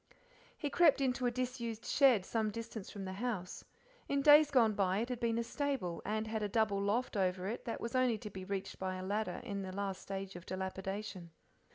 He crept into a disused shed some distance from the house; in days gone by it had been a stable, and had a double loft over it that was only to be reached by a ladder in the last stage of dilapidation.